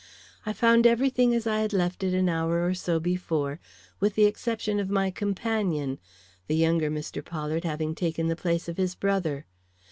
I found every thing as I had left it an hour or so before, with the exception of my companion; the younger Mr. Pollard having taken the place of his brother.